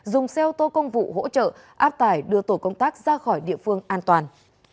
dùng xe ô tô công vụ hỗ trợ áp tải đưa tổ công tác ra khỏi địa phương an toàn